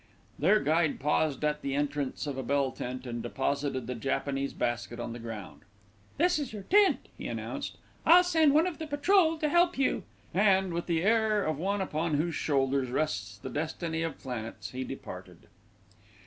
Their guide paused at the entrance of a bell tent, and deposited the Japanese basket on the ground. "This is your tent," he announced, "I'll send one of the patrol to help you," and, with the air of one upon whose shoulders rests the destiny of planets, he departed.